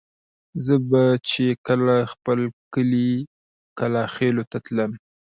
زه به چې کله خپل کلي کلاخېلو ته تللم.